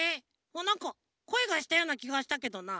なんかこえがしたようなきがしたけどな。